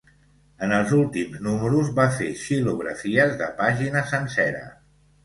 En els últims números va fer xilografies de pàgina sencera.